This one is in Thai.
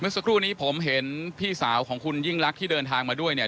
สักครู่นี้ผมเห็นพี่สาวของคุณยิ่งลักษณ์ที่เดินทางมาด้วยเนี่ย